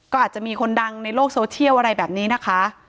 ก็อาจจะมีคนดังในโลกโซเชียลอะไรแบบนี้นะคะ